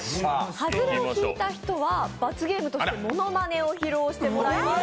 外れを引いた人は罰ゲームとしてものまねを披露していただきます。